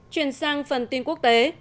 chuyển sang phần tin quốc tế